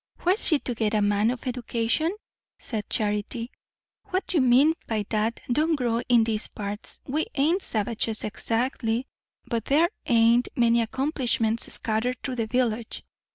"Where's she to get a man of education?" said Charity. "What you mean by that don't grow in these parts. We ain't savages exactly, but there ain't many accomplishments scattered through the village.